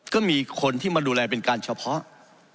ก็มีคนที่มาดูแลเป็นการเฉพาะ